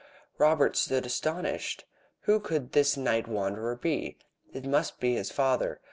Robert stood astonished. Who could this night wanderer be? It must be his father.